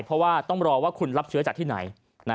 เพราะว่าต้องรอว่าคุณรับเชื้อจากที่ไหน